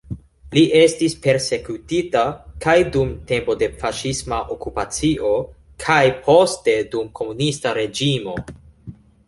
Li estis persekutita kaj dum tempo de faŝisma okupacio kaj poste dum komunista reĝimo.